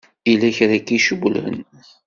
Yella kra i k-icewwlen?